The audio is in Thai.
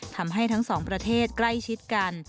ทำให้ทั้งสองประเทศใกล้ชิดกัน